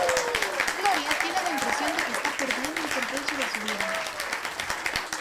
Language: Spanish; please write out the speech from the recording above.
Gloria tiene la impresión de que está perdiendo el control sobre su vida.